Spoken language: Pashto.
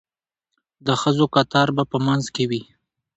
د ښځو کتار به په منځ کې وي.